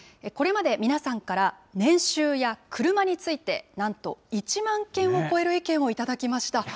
これまで皆さんから、年収やクルマについてなんと１万件を超える意見を頂きました。